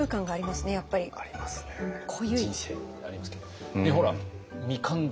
人生でありますけれども。